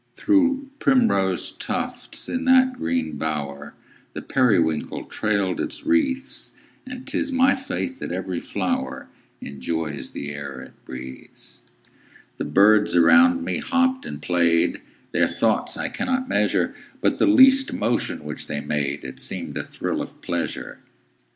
Through primrose tufts, in that green bower, The periwinkle trailed its wreaths; And 'tis my faith that every flower Enjoys the air it breathes. The birds around me hopped and played, Their thoughts I cannot measure: But the least motion which they made It seemed a thrill of pleasure.